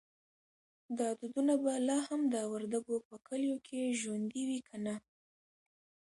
دا دودونه به لا هم د وردګو په کلیو کې ژوندی وي که نه؟